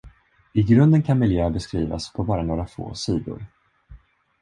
I grunden kan miljö beskrivas på bara några få sidor.